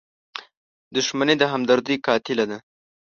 • دښمني د همدردۍ قاتله ده.